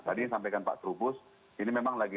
tadi sampaikan pak trubus ini memang lagi